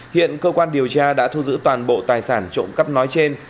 hiện cơ quan điều tra đã thu giữ toàn bộ tài sản trộm cắp nói trên